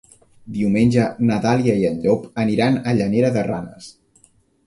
Diumenge na Dàlia i en Llop aniran a Llanera de Ranes.